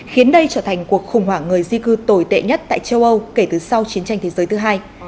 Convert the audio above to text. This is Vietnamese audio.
khiến đây trở thành cuộc khủng hoảng người di cư tồi tệ nhất tại châu âu kể từ sau chiến tranh thế giới thứ hai